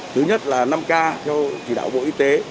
thứ nhất là năm k theo chỉ đạo bộ y tế